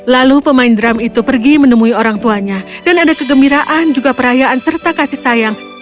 lalu pemain drum itu pergi menemui orang tuanya dan ada kegembiraan juga perayaan serta kasih sayang